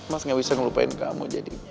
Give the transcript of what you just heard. mas nggak bisa ngelupain kamu jadinya